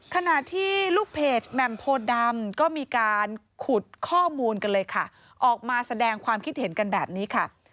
ขณะที่ลูกเพจแหม่มโพดำก็มีการขุดข้อมูลกันเลยค่ะออกมาแสดงความคิดเห็นกันแบบนี้ค่ะ